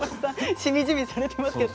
しみじみされています。